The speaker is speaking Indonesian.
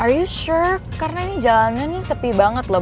are you sure karena ini jalannya sepi banget loh